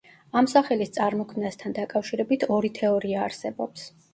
ამ სახელის წარმოქმნასთან დაკავშირებით ორი თეორია არსებობს.